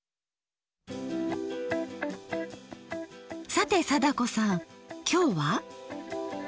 さて貞子さんきょうは？